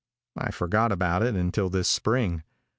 I forgot about it until this spring.